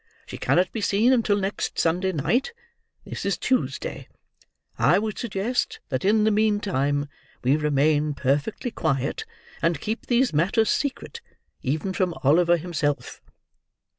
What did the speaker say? She cannot be seen until next Sunday night; this is Tuesday. I would suggest that in the meantime, we remain perfectly quiet, and keep these matters secret even from Oliver himself."